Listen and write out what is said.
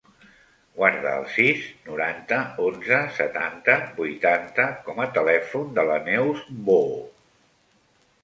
Guarda el sis, noranta, onze, setanta, vuitanta com a telèfon de la Neus Boo.